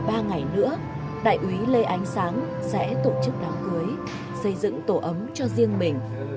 trong ba ngày nữa đại úy lê ánh sáng sẽ tổ chức đám cưới xây dựng tổ ấm cho riêng mình